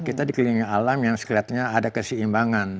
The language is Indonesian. kita di kelilingi alam yang sekelatannya ada keseimbangan